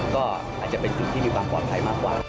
ก็อาจจะเป็นจุดที่มีความปลอดภัยมากกว่า